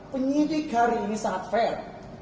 penyidik hari ini sangat fair